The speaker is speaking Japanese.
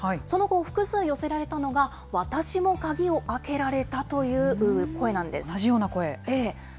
その後、複数寄せられたのが、私も鍵を開けられたという声なんで同じような声。